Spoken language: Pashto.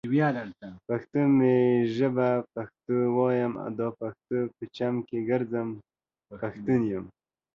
پښتو می ژبه پښتو وايم، دا پښتنو په چم کې ګرځم ، پښتون يمه